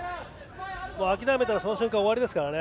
諦めたらその瞬間終わりですからね。